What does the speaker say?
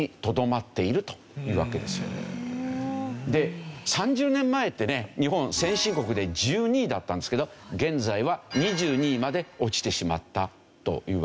で３０年前ってね日本先進国で１２位だったんですけど現在は２２位まで落ちてしまったというわけですね。